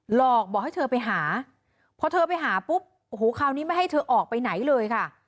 หลอกบอกให้เธอไปหาพอเธอไปหาปุ๊บโอ้โหคราวนี้ไม่ให้เธอออกไปไหนเลยค่ะ